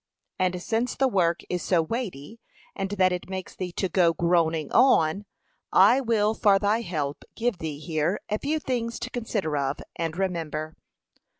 And since the work is so weighty, and that it makes thee to go groaning on, I will for thy help give thee here a few things to consider of: and [remember], 1.